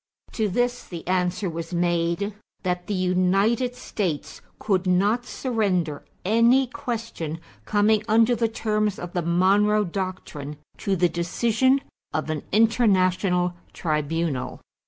To this the answer was made that the United States could not surrender any question coming under the terms of the Monroe Doctrine to the decision of an international tribunal.